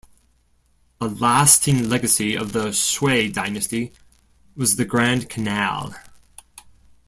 A lasting legacy of the Sui dynasty was the Grand Canal.